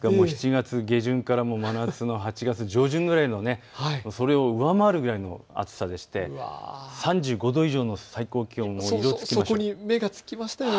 ７月下旬から真夏の８月上旬ぐらいまで、それを上回るくらいの暑さでして３５度以上の最高気温に色をつけました。